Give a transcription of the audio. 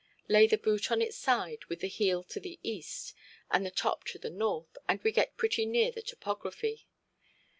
Lay the boot on its side with the heel to the east, and the top towards the north, and we get pretty near the topography.